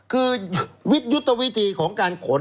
คือยุทธวิธีของการขน